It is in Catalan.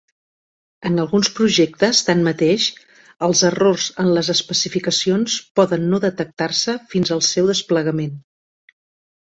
En alguns projectes tanmateix, els errors en les especificacions poden no detectar-se fins al seu desplegament.